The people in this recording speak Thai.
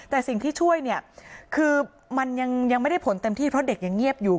แต่สิ่งที่ช่วยเนี่ยคือมันยังไม่ได้ผลเต็มที่เพราะเด็กยังเงียบอยู่